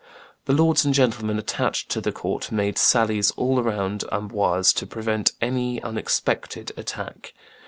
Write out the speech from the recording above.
The lords and gentlemen attached to the court made sallies all around Amboise to prevent any unexpected attack.